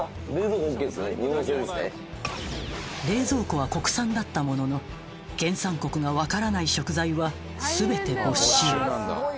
冷蔵庫は国産だったものの原産国が分からない食材は全て没収